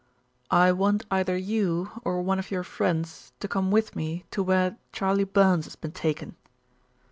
"I want either you, or one of your friends, to come with me to where Charley Burns has been taken."